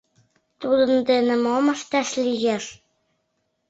Тудын дене мом ышташ лиеш?